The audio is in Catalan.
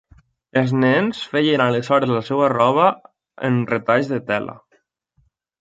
Els nens feien aleshores la seva roba amb retalls de tela.